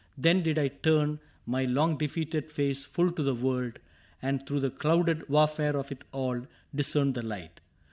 Then did I turn My long defeated face full to the world. And through the clouded warfare of it all Discern the light.